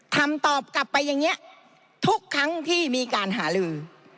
ทำตอบกลับไปอย่างนี้ทุกครั้งที่มีการหาลือ